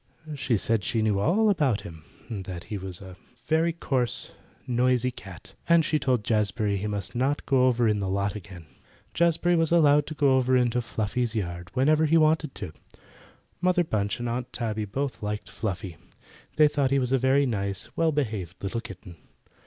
She said she knew all about him; that he was a very coarse, noisy cat, and she told Jazbury he must not go over in the lot again. Jazbury was allowed to go over into Fluffy's yard whenever he wanted to. Mother Bunch and Aunt Tabby both liked Fluffy. They thought he was a very nice, well behaved little kitten.